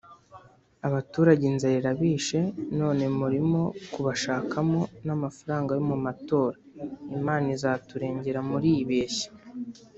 Abaturage inzara irabishe none murimo kubashakamo namafaranga yo mumatora Imana izaturengera muribeshya